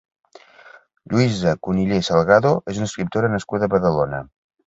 Lluïsa Cunillé Salgado és una escriptora nascuda a Badalona.